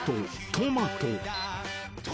トマト。